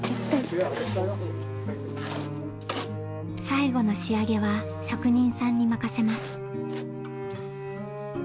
最後の仕上げは職人さんに任せます。